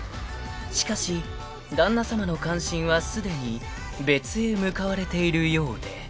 ［しかし旦那さまの関心はすでに別へ向かわれているようで］